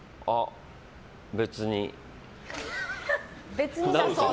別に。